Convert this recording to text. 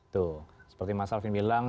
tuh seperti mas alvin bilang